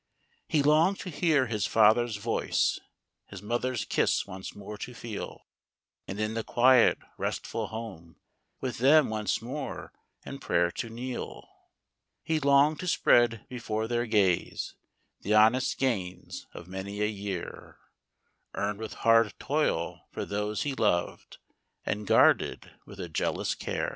He long'd to hear his father's voice, His mother's kiss once more to feel, And in the quiet restful home With them once more in prayer to kneel. He long'd to spread before their gaze The honest gains of many a year, Earn'd with hard toil for those he lov'd And guarded with a jealous care.